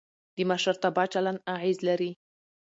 د مشرتابه چلند اغېز لري